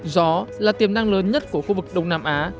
gió là tiềm năng lớn nhất của khu vực đông nam á